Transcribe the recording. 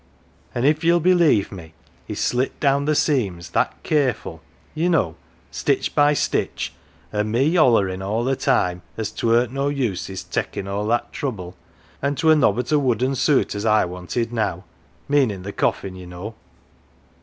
" An' if ye'll believe me, he slit down the seams, that careful, ye know, stitch by stitch, an' me hollerin' all the time, as 't weren't no use his takin' all that trouble, an' 't were nobbut a wooden suit as I wanted now meanin' the coffin, ye know.